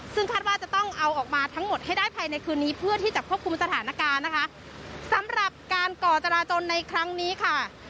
ซึ่งคาดว่าจะต้องเอาออกมาทั้งหมดให้ได้ภายในคืนนี้เพื่อที่จะควบคุมสถานการณ์นะคะสำหรับการก่อจราจนในครั้งนี้ค่ะ